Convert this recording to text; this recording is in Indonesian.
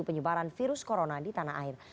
penyebaran virus corona di tanah air